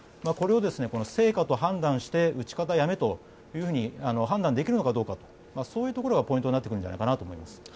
これを成果と判断して撃ち方やめと判断できるのかどうかそういうところがポイントになってくるんじゃないかなと思います。